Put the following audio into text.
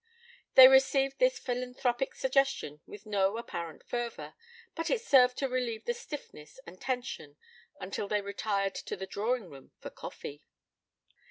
They received this philanthropic suggestion with no apparent fervor, but it served to relieve the stiffness and tension until they retired to the drawing room for coffee.